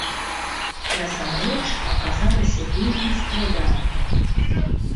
Насамрэч, аказалася вельмі складана.